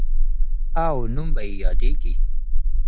او نوم به یې یادیږي.